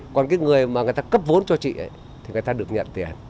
còn cái người mà người ta cấp vốn cho chị ấy thì người ta được nhận tiền